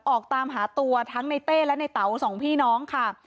ออกตามหาตัวทั้งในเต้และในเต๋าสองพี่น้องค่ะ